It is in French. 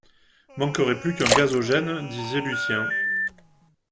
Manquerait plus qu’un gazogène, disait Lucien.